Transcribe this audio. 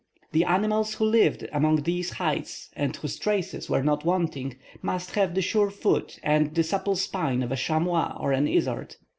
The animals who lived among these heights, and whose traces were not wanting, must have the sure foot and the supple spine of a chamois or an izard.